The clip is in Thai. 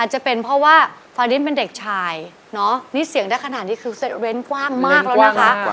จะเป็นเพราะว่าฟารินเป็นเด็กชายเนาะนี่เสียงได้ขนาดนี้คือเว้นกว้างมากแล้วนะคะ